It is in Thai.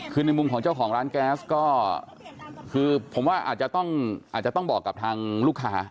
คือในมุมของเจ้าของร้านแก๊สก็คือผมว่าอาจจะต้องอาจจะต้องบอกกับทางลูกค้า